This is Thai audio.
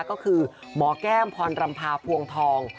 ก็คือหมอแก้มพรรำภาพวงทอง